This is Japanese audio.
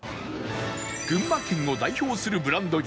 群馬県を代表するブランド牛